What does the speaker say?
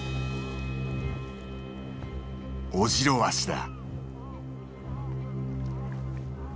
オジロワシだ。